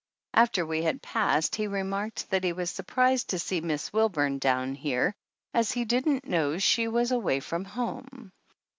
After we had passed he remarked that he was surprised to see Miss Wilburn down here as he didn't know she was away from home.